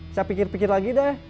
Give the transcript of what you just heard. saya pikir pikir lagi dah